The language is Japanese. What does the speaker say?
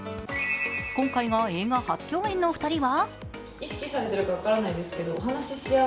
今回が映画初共演の２人は？